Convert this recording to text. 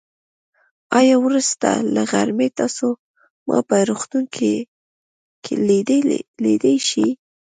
آيا وروسته له غرمې تاسو ما په روغتون کې ليدای شئ.